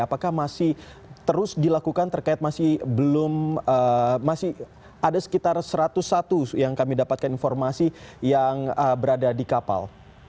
apakah masih terus dilakukan terkait masih belum masih ada sekitar satu ratus satu yang kami dapatkan informasi yang berada di kapal